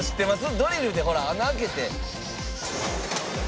「ドリルで穴開けて」